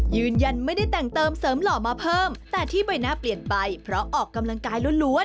ยืนยันไม่ได้แต่งเติมเสริมหล่อมาเพิ่มแต่ที่ใบหน้าเปลี่ยนไปเพราะออกกำลังกายล้วน